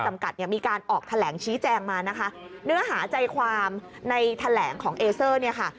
เนี่ยมีการออกแถลงชี้แจงมานะคะเนื้อหาใจความในแถลงของเอเซอร์เนี่ยค่ะ